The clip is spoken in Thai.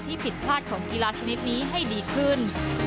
ผิดพลาดของกีฬาชนิดนี้ให้ดีขึ้น